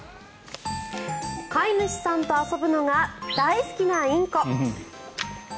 飼い主さんと遊ぶのが大好きなインコ。